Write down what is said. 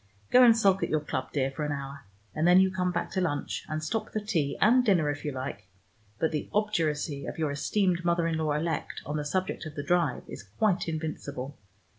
Go and sulk at your club, dear, for an hour, and then you come back to lunch, and stop for tea and dinner if you like. But the obduracy of your esteemed mother in law elect on the subject of the drive is quite invincible.